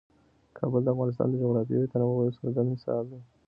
کابل د افغانستان د جغرافیوي تنوع یو څرګند مثال دی.